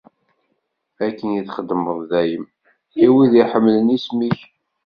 Akken i txeddmeḍ dayem i wid i iḥemmlen isem-ik.